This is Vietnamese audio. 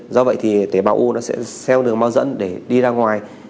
do vậy thì tế bạo u nó sẽ xeo đường mau dẫn để đi ra ngoài